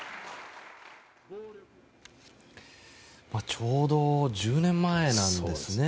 ちょうど１０年前なんですね